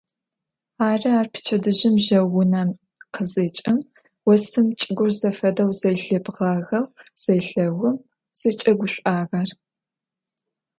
Ары ар пчэдыжьым жьэу унэм къызекӏым осым чӏыгур зэфэдэу зэлъибгъагъэу зелъэгъум зыкӏэгушӏуагъэр.